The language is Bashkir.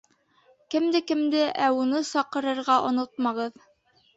Кемде-кемде, ә уны саҡырырға онотмағыҙ.